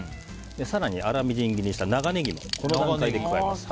更に粗みじん切りにした長ネギもこの段階で加えます。